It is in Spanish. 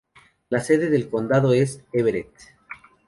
La sede del condado es Everett.